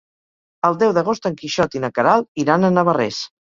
El deu d'agost en Quixot i na Queralt iran a Navarrés.